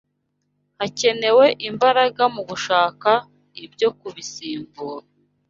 Hakenewe imbaraga mu gushaka ibyo kubisimbura